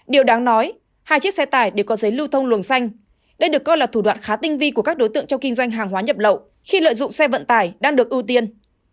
điều đáng nói hai chiếc xe tải đều có giấy lưu thông luồng xanh đây được coi là thủ đoạn khá tinh vi của các đối tượng trong kinh doanh hàng hóa nhập lậu khi lợi dụng xe vận tải đang được ưu tiên